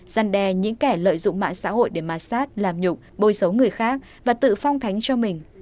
dăn đe những kẻ lợi dụng mạng xã hội để massage làm nhục bôi xấu người khác và tự phong thánh cho mình